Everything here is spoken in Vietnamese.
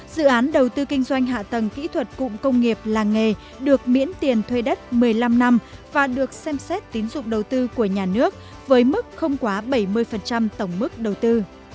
dự án đầu tư kinh doanh hạ tầng kỹ thuật cụm công nghiệp làng nghề được miễn tiền thuê đất một mươi năm năm và được xem xét tín dụng đầu tư của nhà nước với mức không quá bảy mươi tổng mức đầu tư